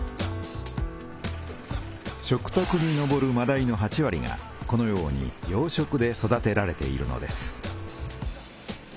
食たくにのぼるまだいの８割がこのように養殖で育てられているのです。